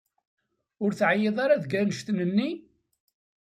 Ur teɛyiḍ ara deg annect-nni?